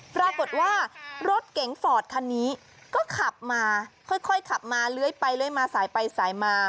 ปรากฏว่ารถเก๋งฟอร์ดคันนี้ก็ขับมาค่อยขับมาเลื้อยไปเลื้อยมาสายไปสายมา